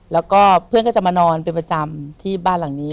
แล้วก็เพื่อนก็จะมานอนเป็นประจำที่บ้านหลังนี้